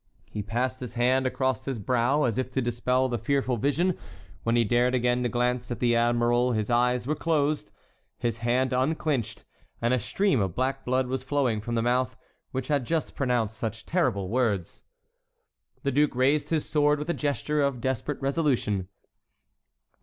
He passed his hand across his brow, as if to dispel the fearful vision; when he dared again to glance at the admiral his eyes were closed, his hand unclinched, and a stream of black blood was flowing from the mouth which had just pronounced such terrible words. The duke raised his sword with a gesture of desperate resolution.